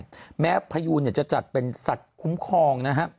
แจ้งแม้พายูจะจัดเป็นสัตว์คุ้มครองนะครับ